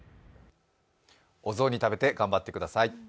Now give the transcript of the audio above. お雑煮食べて頑張ってください。